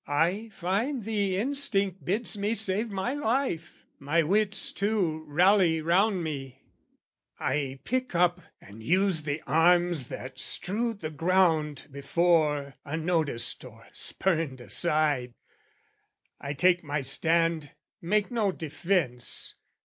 I find the instinct bids me save my life; My wits, too, rally round me; I pick up And use the arms that strewed the ground before, Unnoticed or spurned aside: I take my stand, Make no defence.